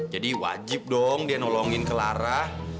jadi wajib dong dia nolongin ke lara